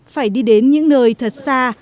phải đi đến những nơi thật xa